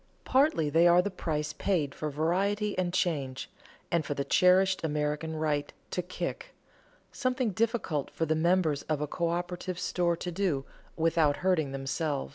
Partly they are the price paid for variety and change, and for the cherished American right "to kick" something difficult for the members of a coöperative store to do without hurting themselves.